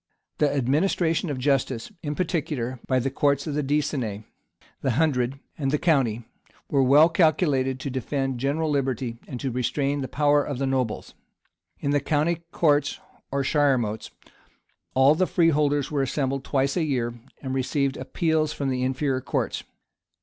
The administration of justice, in particular, by the courts of the decennary, the hundred, and the county, was well calculated to defend general liberty, and to restrain the power of the nobles. In the county courts, or shiremotes, all the freeholders were assembled twice a year, and received appeals from the inferior courts.